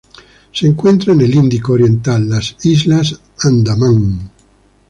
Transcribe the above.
Se encuentra en el Índico oriental: las Islas Andamán.